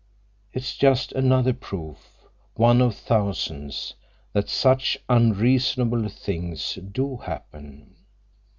It's just another proof, one of thousands, that such unreasonable things do happen."